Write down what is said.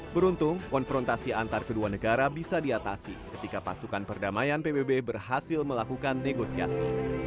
beruntung konfrontasi antar kedua negara bisa diatasi ketika pasukan perdamaian pbb berhasil melakukan negosiasi